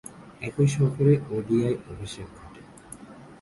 একই সফরে তার ওডিআই অভিষেক ঘটে।